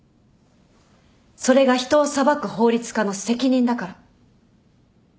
それが人を裁く法律家の責任だから。